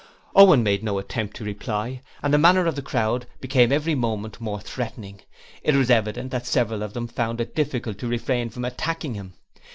Owen made no attempt to reply, and the manner of the crowd became every moment more threatening. It was evident that several of them found it difficult to refrain from attacking him.